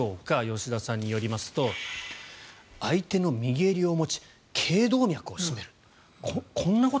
吉田さんによりますと相手の右襟を持ち頸動脈を絞める。